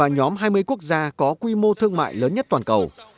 nhóm hai mươi quốc gia có quy mô thương mại lớn nhất toàn cầu